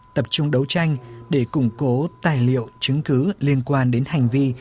tập trung đấu tranh để củng cố tài liệu chứng cứ liên quan đến hành vi